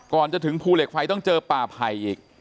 ก่อนจะถึงภูเหล็กไฟต้องเจอป่าไผ่อีก